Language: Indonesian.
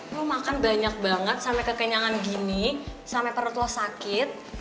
lu makan banyak banget sampe kekenyangan gini sampe perut lu sakit